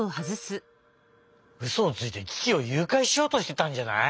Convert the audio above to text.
うそをついてキキをゆうかいしようとしてたんじゃない？